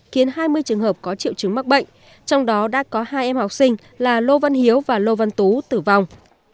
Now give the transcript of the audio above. khiến hai mươi trường hợp có triệu chứng mắc bệnh trong đó đã có hai em học sinh là lô văn hiếu và lô văn tú tử vong